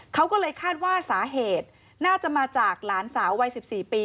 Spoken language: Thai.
เขาก็เลยคาดว่าสาเหตุน่าจะมาจากหลานสาววัย๑๔ปี